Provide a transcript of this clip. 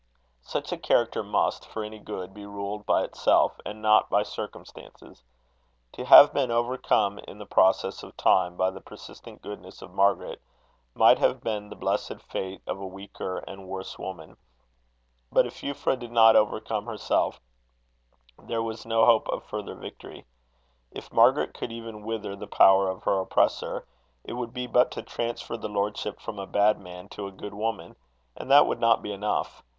Such a character must, for any good, be ruled by itself, and not by circumstances. To have been overcome in the process of time by the persistent goodness of Margaret, might have been the blessed fate of a weaker and worse woman; but if Euphra did not overcome herself, there was no hope of further victory. If Margaret could even wither the power of her oppressor, it would be but to transfer the lordship from a bad man to a good woman; and that would not be enough.